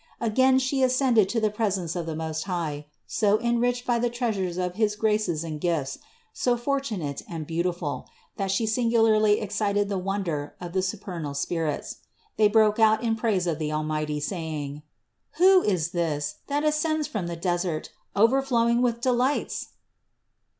Again She ascended to the presence of the Most High, so en riched by the treasures of his graces and gifts, so fortu nate and beautiful, that She singularly excited the wonder of the supernal spirits. They broke out in praise of the Almighty, saying: "Who is this, that ascends from the desert, overflowing with delights?